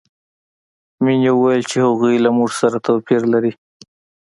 مینې وویل چې هغوی له موږ سره توپیر لري